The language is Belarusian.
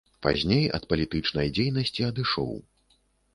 Пазней ад палітычнай дзейнасці адышоў.